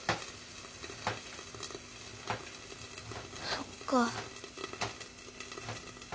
そっか。